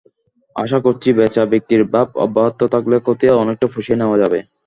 আশা করছি, বেচা-বিক্রির ভাব অব্যাহত থাকলে ক্ষতি অনেকটা পুষিয়ে নেওয়া যাবে।